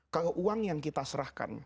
kalau uang yang kita serahkan